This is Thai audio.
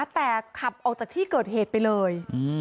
แต่ขับออกจากที่เกิดเหตุไปเลย